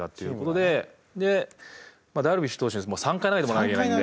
でダルビッシュ投手３回投げてもらわなきゃいけないんで。